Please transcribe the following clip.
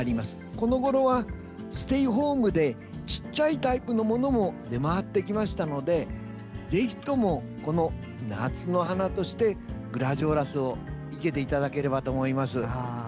このごろはステイホームで小さいタイプのものも出回ってきましたのでぜひとも、夏の花としてグラジオラスを生けていただければと思います。